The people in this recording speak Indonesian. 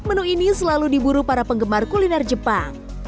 menu ini selalu diburu para penggemar kuliner jepang